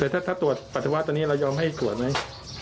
แต่ถ้าตรวจปัสสาวะตอนนี้เรายอมให้ตรวจไหม